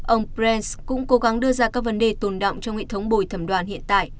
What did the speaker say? ông brance cũng cố gắng đưa ra các vấn đề tồn động trong hệ thống bồi thẩm đoàn hiện tại